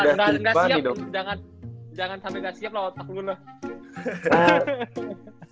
gak siap jangan sampe gak siap lah otak lu